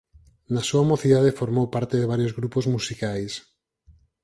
Na súa mocidade formou parte de varios grupos musicais.